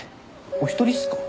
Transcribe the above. お一人っすか？